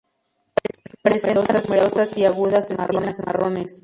Presenta numerosas y agudas espinas marrones.